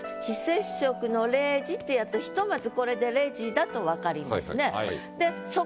「非接触のレジ」ってやってひとまずこれでレジだと分かりますね。